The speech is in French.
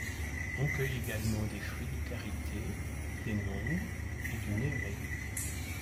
On cueille également des fruits de karité, des mangues et du néré.